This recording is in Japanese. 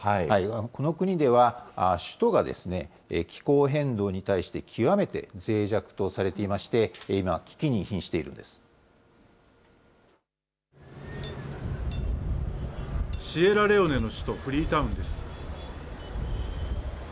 この国では、首都が気候変動に対して極めてぜい弱とされていまして、今、危機にひんしているんでシエラレオネの首都フリータウンです。